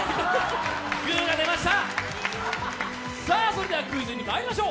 グーが出ました。